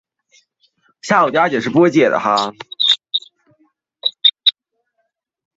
该组织被反诽谤联盟和南方反贫穷法律中心列为仇恨团体并加以监控。